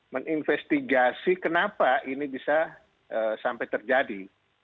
menginvestigasi kenapa ini bisa sampai terjadi